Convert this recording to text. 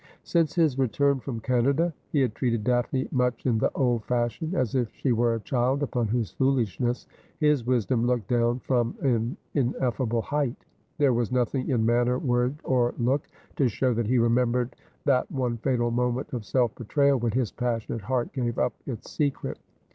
Since his return from Canada he had treated Daphne much in the old fashion — as if she were a child upon whose foolishness his wisdom looked down from an ineffable height. There was nothing in manner, word, or look to show that he remembered that one fatal moment of self betrayal, when his passionate heart gave up its secret.